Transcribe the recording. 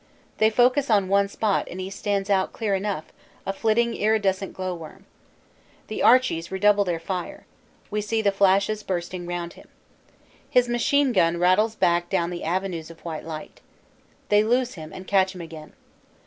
They focus on one spot and he stands out clear enough, a flitting iridescent glow worm. The "Archies" redouble their fire ; we see the flashes bursting round him. His machine gun rattles back down the avenues of white light. They lose him and catch him again.